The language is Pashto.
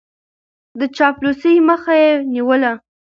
د چاپلوسۍ مخه يې نيوله.